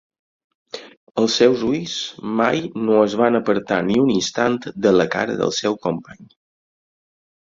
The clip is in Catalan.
Els seus ulls mai no es van apartar ni un instant de la cara del seu company.